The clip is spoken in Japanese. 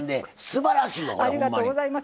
ありがとうございます。